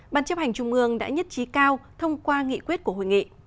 ban chấp hành trung ương đã nhất trí cao thông qua nghị quyết của hội nghị